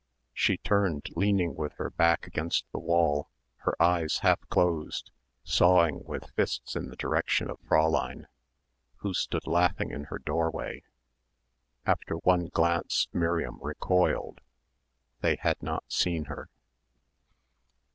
She turned, leaning with her back against the wall, her eyes half closed, sawing with fists in the direction of Fräulein, who stood laughing in her doorway. After one glance Miriam recoiled. They had not seen her.